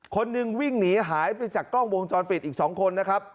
คนหนึ่งวิ่งหนีหายไปจากกล้องวงจรปิดอีก๒คนนะครับ